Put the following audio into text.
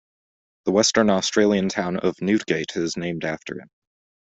The Western Australian town of Newdegate is named after him.